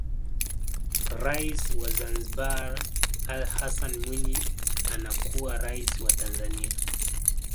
Rais wa Zanzibar Ali Hassan Mwinyi anakuwa Rais wa Tanzania